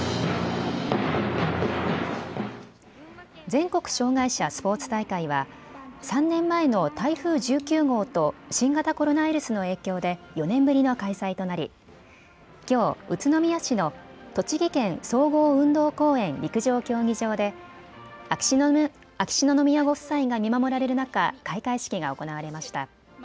全国障害者スポーツ大会は３年前の台風１９号と新型コロナウイルスの影響で４年ぶりの開催となりきょう宇都宮市の栃木県総合運動公園陸上競技場で秋篠宮ご夫妻が見守られる中、開会式が行われました。